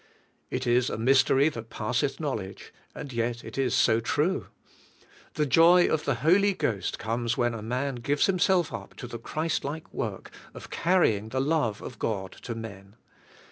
It is a mystery that pass eth knowledge, and yet it is so true. The joy of the Holy Ghost comes when a man gives himself up to the Christlike work of carrying the love of God to men.